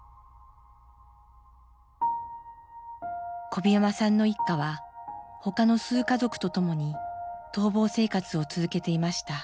小檜山さんの一家は他の数家族とともに逃亡生活を続けていました。